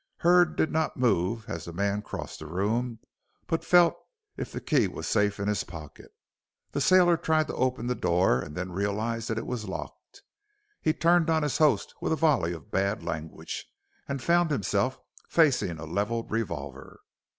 Hurd did not move as the man crossed the room, but felt if the key was safe in his pocket. The sailor tried to open the door, and then realized that it was locked. He turned on his host with a volley of bad language, and found himself facing a levelled revolver.